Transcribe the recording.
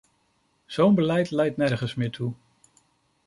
Zo'n beleid leidt nergens meer toe.